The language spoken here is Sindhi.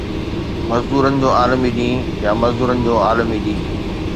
مزدورن جو عالمي ڏينهن يا مزدورن جو عالمي ڏينهن